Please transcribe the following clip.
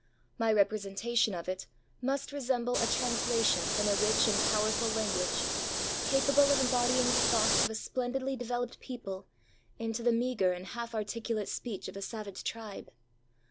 My representation of it must resemble a translation from a rich and powerful language, capable of embodying the thoughts of a splendidly developed people, into the meagre and half articulate speech of a savage tribe.